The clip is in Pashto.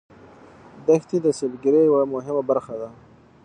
دښتې د سیلګرۍ یوه مهمه برخه ده.